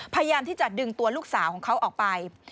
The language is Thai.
พยายามที่จะดึงตัวลูกสาวของเขาออกไป